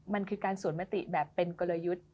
มันคือการสวนมติแบบเป็นกลยุทธ์